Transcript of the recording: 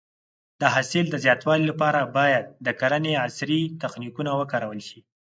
د حاصل د زیاتوالي لپاره باید د کرنې عصري تخنیکونه وکارول شي.